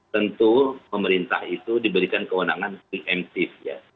tentu pemerintah itu diberikan kewenangan pre emptive ya